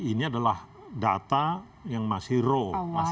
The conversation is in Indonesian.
ini adalah data yang masuk ke dalam kejahatan pajak